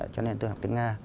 cho nên tôi học tiếng nga